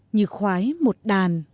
như khoái một đàn